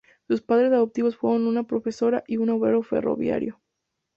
Sus padres adoptivos fueron una profesora y un obrero ferroviario.